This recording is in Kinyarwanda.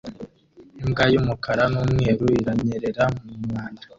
Imbwa y'umukara n'umweru iranyerera mu mwanda